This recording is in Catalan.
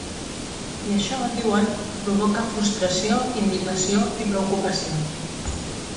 I això, diuen, ‘provoca frustració, indignació i preocupació’.